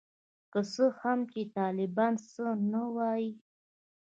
که څه هم چي طالبان څه نه وايي.